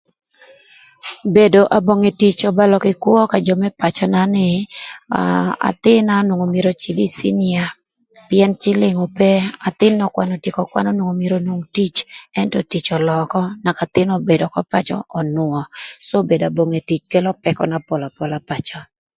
Bedo abonge tic öbalö kï kwö ka jö më pacöna nï, aa athïn-na onwongo myero öcïdh ï cinia pïën cïlïng ope athïn n'ökwanö n'otyeko kwan onwongo myero onwong tic, ëntö tic ölöö ökö naka athïn obedo ökö pacö cë dök önwö ëka kelo pëkö na pol apola pacö.